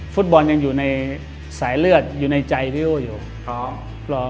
คุดบอลยังอยู่ในสายเลือดอยู่ในใจที่พี่รู้อยู่